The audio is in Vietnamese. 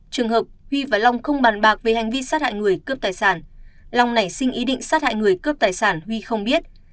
trường hợp huy và long không bàn bạc về hành vi sát hại người cướp tài sản long nảy sinh ý định sát hại người cướp tài sản huy không biết